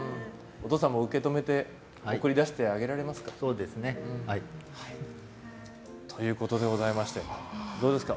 お父さんも受け止めてそうですね。ということでございましてどうですか？